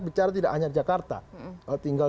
bicara tidak hanya di jakarta tinggal